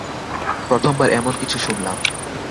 প্রথমবার এমন কিছু শুনলাম।